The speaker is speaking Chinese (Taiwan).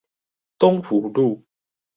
東湖路